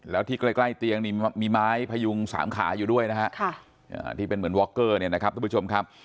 แล้วที่ใกล้เตียงนี่มีไม้พยุงสามขาอยู่ด้วยนะฮะที่เป็นเหมือนวอคเกอร์เนี่ยนะครับทุกผู้ชมครับ